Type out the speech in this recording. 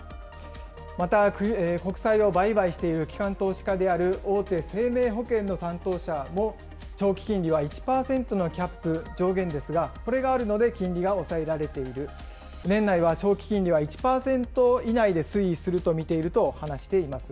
また、国債を売買している機関投資家である、大手生命保険の担当者も長期金利は１％のキャップ、上限ですが、これがあるので金利が抑えられている、年内は長期金利は１％以内で推移すると見ていると話しています。